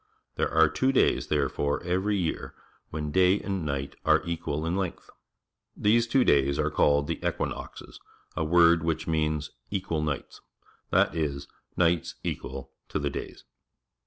Thei e are two days, therefore, every year when day and night are equal in length. These two days are called the Equinoxes, a word which means "equal nights," that is, nights equal to the days.